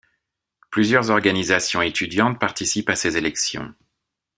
Plusieurs organisations étudiantes participent à ces élections.